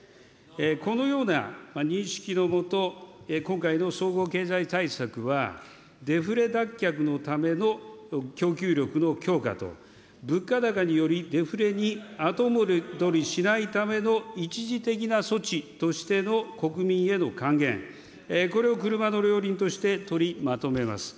このような認識のもと、今回の総合経済対策は、デフレ脱却のための供給力の強化と、物価高によりデフレに後戻りしないための一時的な措置としての国民への還元、これを車の両輪として取りまとめます。